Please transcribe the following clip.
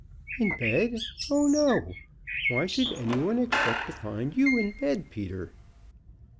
"In bed? Oh no! Why should any one expect to find you in bed, Peter?"